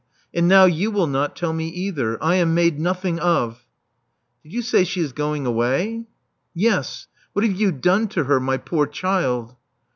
And now you will not tell me either. I am made nothing of. " Did you say she is going away?" Yes. What have you done to her? — my poor child!"